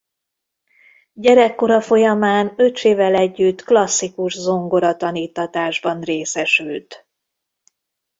Gyerekkora folyamán öccsével együtt klasszikus zongora taníttatásban részesült.